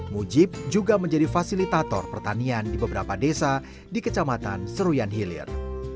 mujib juga menjadi fasilitator pertanian di beberapa desa di kecamatan seruyan hilir